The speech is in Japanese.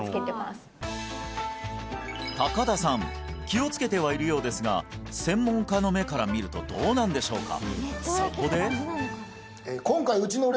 気をつけてはいるようですが専門家の目から見るとどうなんでしょうか？